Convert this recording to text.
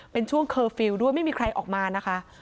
เป็นช่วงเคอร์ฟิลล์ด้วยไม่มีใครออกมานะคะ